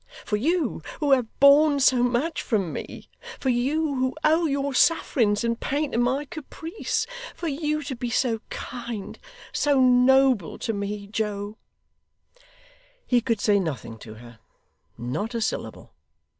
For you, who have borne so much from me for you, who owe your sufferings and pain to my caprice for you to be so kind so noble to me, Joe ' He could say nothing to her. Not a syllable.